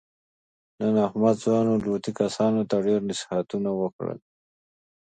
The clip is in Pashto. نن احمد ځوانو لوطي کسانو ته ډېر نصیحتونه وکړل.